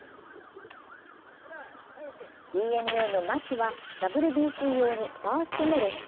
ＤｅＮＡの牧はＷＢＣ用にファーストの練習。